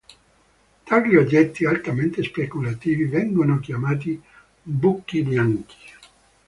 Tali oggetti altamente speculativi vengono chiamati "buchi bianchi.